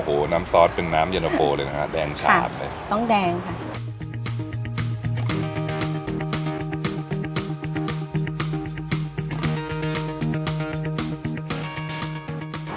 โอ้โหน้ำซอสเป็นน้ำเย็นตะโฟเลยนะฮะแดงชาบเลยต้องแดงค่ะ